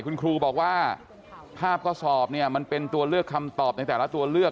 คุณครูบอกว่าภาพกระสอบเนี่ยมันเป็นตัวเลือกคำตอบในแต่ละตัวเลือก